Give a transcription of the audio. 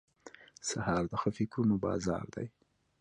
سهار د ښه فکرونو بازار دی.